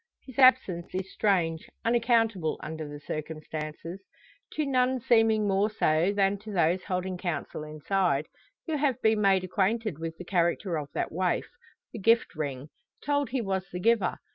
His absence is strange, unaccountable, under the circumstances. To none seeming more so than to those holding counsel inside, who have been made acquainted with the character of that waif the gift ring told he was the giver.